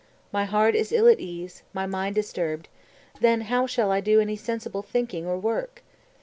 My heart is ill at ease, my mind disturbed; then how shall I do any sensible thinking or work?